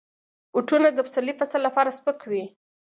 بوټونه د پسرلي فصل لپاره سپک وي.